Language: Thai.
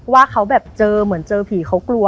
ว่าเขาแบบเจอเหมือนเจอผีเขากลัว